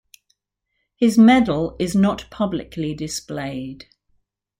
His medal is not publicly displayed.